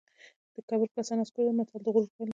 د کبر کاسه نسکوره ده متل د غرور پایله ښيي